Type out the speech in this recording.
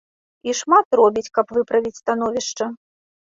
І шмат робіць, каб выправіць становішча.